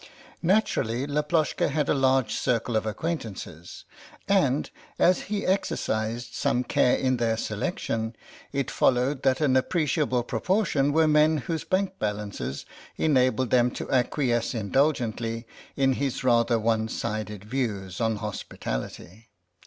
Naturally Laploshka had a large circle of acquaintances, and as he exercised some care in their selection it followed that an ap preciable proportion were men whose bank balances enabled them to acquiesce indulgently in his rather one sided views on hospitality.